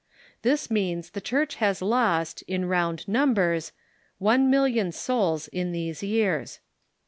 This means the Church has lost, in round numbers, one million souls in these years.